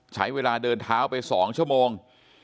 ใช้เวลาเดินเท้าไป๒ชั่วโมง